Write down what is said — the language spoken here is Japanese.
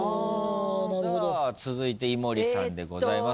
続いて井森さんでございます。